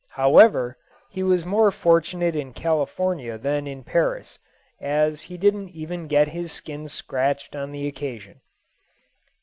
However, he was more fortunate in California than in Paris, as he didn't even get his skin scratched on this occasion.